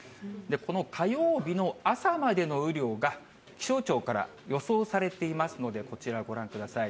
この火曜日の朝までの雨量が、気象庁から予想されていますので、こちらご覧ください。